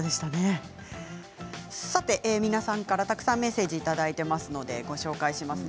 皆さんからたくさんメッセージいただいていますのでご紹介します。